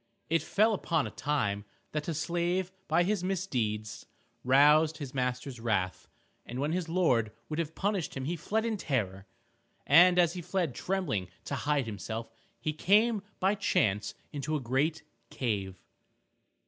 It fell upon a time that a slave by his misdeeds roused his master's wrath, and when his lord would have punished him he fled in terror. And as he fled trembling to hide himself, he came by chance into a great cave.